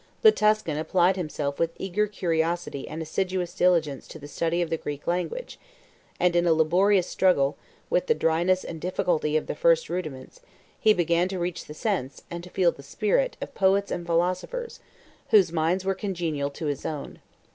The Tuscan applied himself with eager curiosity and assiduous diligence to the study of the Greek language; and in a laborious struggle with the dryness and difficulty of the first rudiments, he began to reach the sense, and to feel the spirit, of poets and philosophers, whose minds were congenial to his own.